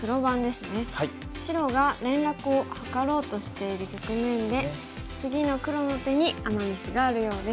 白が連絡を図ろうとしている局面で次の黒の手にアマ・ミスがあるようです。